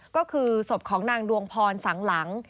ก็คือศพของนางดวงพรสังหลัง